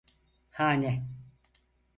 Hane